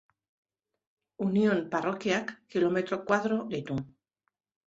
Union parrokiak kilometro koadro ditu.